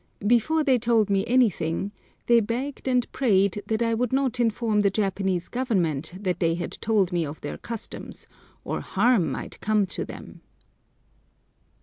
Before they told me anything they begged and prayed that I would not inform the Japanese Government that they had told me of their customs, or harm might come to them!